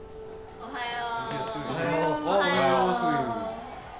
おはよう